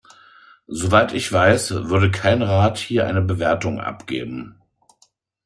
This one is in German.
Soweit ich weiß, würde kein Rat hier eine Bewertung abgeben.